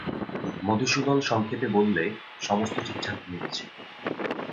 মধুসূদন সংক্ষেপে বললে, সমস্ত ঠিকঠাক হয়ে গেছে।